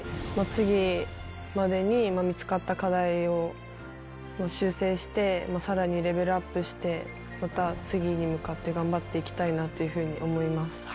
次までに見つかった課題を修正して、さらにレベルアップして、また次に向かって頑張っていきたいなっていうふうに思います。